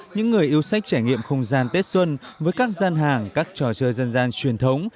những người yêu sách trải nghiệm không gian tết xuân với các gian hàng các trò chơi dân gian truyền thống